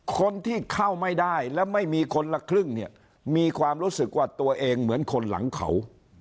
คนที่เข้าไม่ได้แล้วไม่มีคนละครึ่งเนี่ยมีความรู้สึกว่าตัวเองเหมือนคนหลังเขา